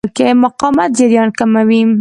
مقاومت جریان کموي.